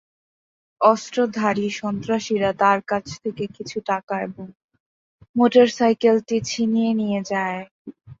অস্ত্রধারী সন্ত্রাসীরা তাঁর কাছ থেকে কিছু টাকা এবং মোটরসাইকেলটি ছিনিয়ে নিয়ে যায়।